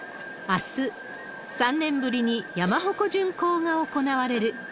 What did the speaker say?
あす、３年ぶりに山鉾巡行が行われる。